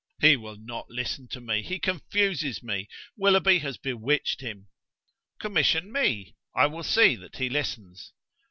"He will not listen to me. He confuses me; Willoughby has bewitched him." "Commission me: I will see that he listens."